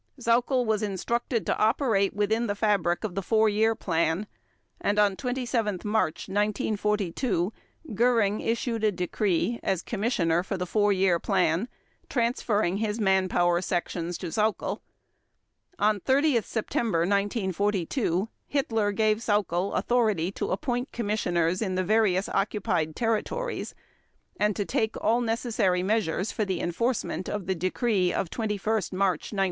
Sauckel was instructed to operate within the fabric of the Four Year Plan, and on 27 March 1942 Göring issued a decree as Commissioner for the Four Year Plan transferring his manpower sections to Sauckel. On 30 September 1942 Hitler gave Sauckel authority to appoint Commissioners in the various occupied territories, and "to take all necessary measures for the enforcement" of the Decree of 21 March 1942.